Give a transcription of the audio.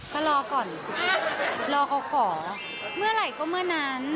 ก็รอก่อนรอเขาขอเมื่อไหร่ก็เมื่อนั้น